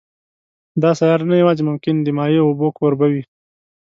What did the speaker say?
دا سیاره نه یوازې ممکن د مایع اوبو کوربه وي